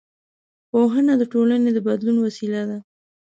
پوهنه د ټولنې د بدلون وسیله ده